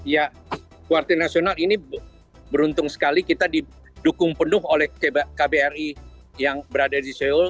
ya kuarti nasional ini beruntung sekali kita didukung penuh oleh kbri yang berada di seoul